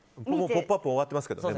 「ポップＵＰ！」は終わってますけどね。